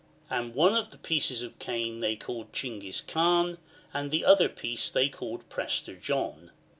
And one piece of cane they called Chinghis Kaan, and the other piece they called Prester John.